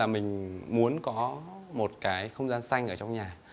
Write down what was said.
mình muốn có một cái không gian xanh ở trong nhà